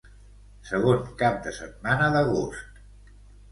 Segon cap de setmana d'agost.